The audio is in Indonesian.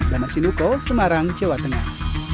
damar sinuko semarang jawa tengah